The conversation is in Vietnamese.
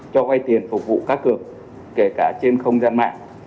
cho quay tiền phục vụ cắt cược kể cả trên không gian mạng